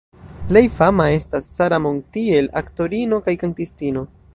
Plej fama estas Sara Montiel, aktorino kaj kantistino.